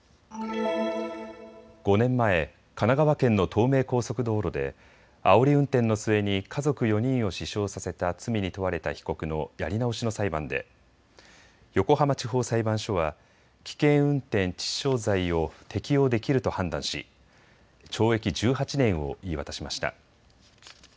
５年前、神奈川県の東名高速道路であおり運転の末に家族４人を死傷させた罪に問われた被告のやり直しの裁判で横浜地方裁判所は危険運転致死傷罪を適用できると判断し懲役１８年を言い渡しました。